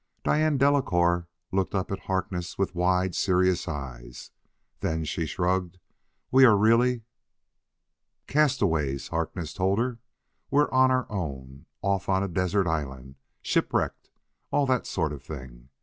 Diane Delacouer looked up at Harkness with wide, serious eyes. "Then," she shrugged, "we are really " "Castaways," Harkness told her. "We're on our own off on a desert island shipwrecked all that sort of thing!